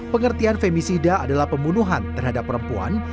pengertian femisida adalah pembunuhan terhadap perempuan